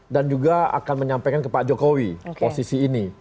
dan juga akan menyampaikan ke pak jokowi posisi ini